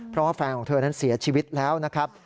เพราะว่าแฟนของเธอนั้นเสียชีวิตแล้วนะครับ